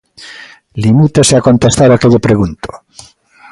Limítese a contestar ao que lle pregunto.